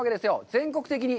全国的に。